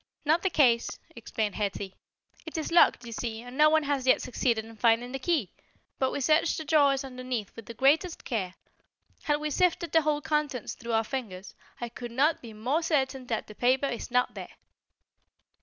"Not the case," explained Hetty. "It is locked you see and no one has as yet succeeded in finding the key. But we searched the drawers underneath with the greatest care. Had we sifted the whole contents through our fingers, I could not be more certain that the paper is not there."